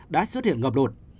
đã xuất hiện ngập lụt